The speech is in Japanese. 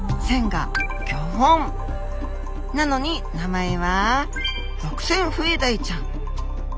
なのに名前はロクセンフエダイちゃん。